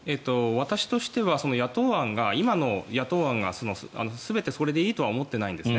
私としては野党案が今の野党案が全てそれでいいとは思っていないんです。